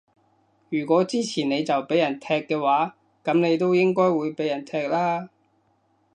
如果支持你就畀人踢嘅話，噉你都應該會畀人踢啦